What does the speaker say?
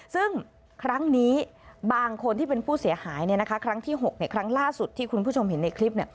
ซึ่งครั้งนี้บางคนที่เป็นผู้เสียหายครั้งที่๖ครั้งล่าสุดที่คุณผู้ชมเห็นในคลิป